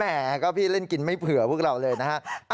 แห่ก็พี่เล่นกินไม่เผื่อพวกเราเลยนะฮะ